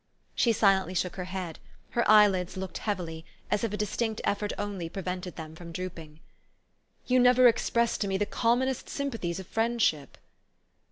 She silently shook her head: her eyelids looked heavy, as if a distinct effort only prevented them from drooping. " You never expressed to me the commonest sym pathies of friendship."